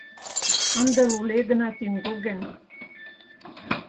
Ынде лулегына тӱҥгылген.